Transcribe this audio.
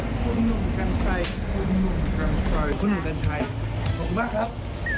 ขอบคุณมากครับขอบคุณมากครับ